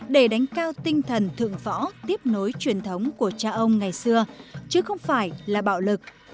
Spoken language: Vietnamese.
để đánh cao tinh thần thượng võ tiếp nối truyền thống của cha ông ngày xưa chứ không phải là bạo lực